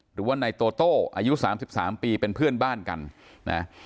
หรือว่านายโตโต้อายุ๓๓ปีเป็นเพื่อนบ้านกันนะ